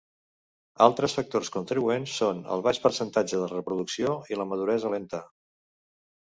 Altres factors contribuents són el baix percentatge de reproducció i la maduresa lenta.